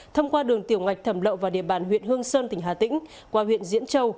thông qua đường tiểu ngạch thẩm lậu vào địa bàn huyện hương sơn tỉnh hà tĩnh qua huyện diễn châu